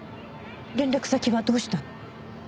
連絡先はどうしたの？